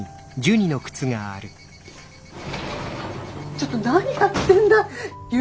ちょっと何やってんだい。